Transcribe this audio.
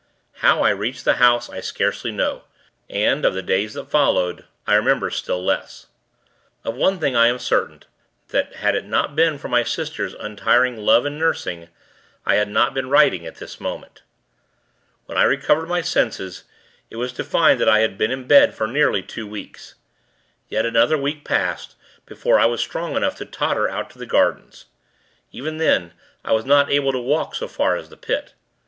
How I reached the house, I scarcely know, and, of the days that followed, I remember still less. Of one thing, I am certain, that, had it not been for my sister's untiring love and nursing, I had not been writing at this moment. When I recovered my senses, it was to find that I had been in bed for nearly two weeks. Yet another week passed, before I was strong enough to totter out into the gardens. Even then, I was not able to walk so far as the Pit.